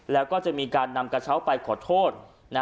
แล้วก็จะมีการนำกระเช้าไปขอโทษ